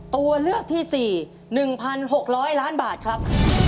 ตัวเลือกที่๔๑๖๐๐ล้านบาทครับ